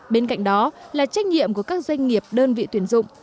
bên cạnh đó là trách nhiệm của các doanh nghiệp đơn vị tuyển dụng